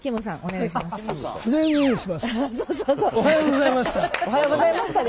「おはようございました」ですよ。